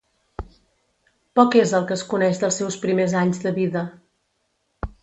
Poc és el que es coneix dels seus primers anys de vida.